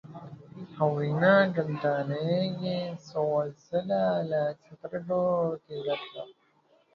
خاورینه ګلدانۍ یې څو ځله له سترګو تېره کړه.